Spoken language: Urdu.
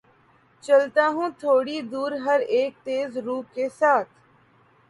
چلتا ہوں تھوڑی دور‘ ہر اک تیز رو کے ساتھ